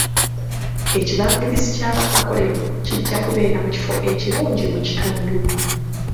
Ekibangiriza ky'abamakolero kijja kubeera mu kifo ekirungi mu kitundu.